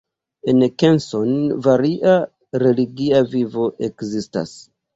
En Keson varia religia vivo ekzistas.